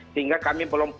sehingga kami belum